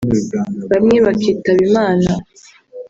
bamwe bakitaba Imana